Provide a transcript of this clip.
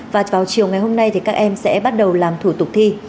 và vào chiều ngày hôm nay thì các em sẽ bắt đầu làm thủ tục thi